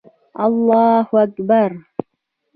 الله اکبر